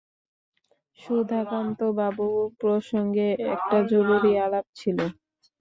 সুধাকান্তবাবু প্রসঙ্গে একটা জরুরি আলাপ ছিল।